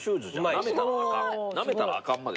「なめたらあかん」までですか？